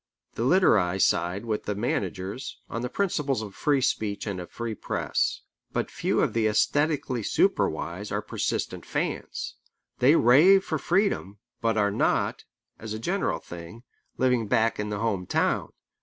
The literati side with the managers, on the principles of free speech and a free press. But few of the æsthetically super wise are persistent fans. They rave for freedom, but are not, as a general thing, living back in the home town.